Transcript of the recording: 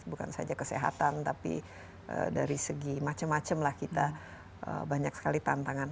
bukan saja kesehatan tapi dari segi macam macam lah kita banyak sekali tantangan